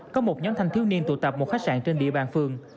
có một nhóm thanh thiếu niên tụ tập một khách sạn trên địa bàn phường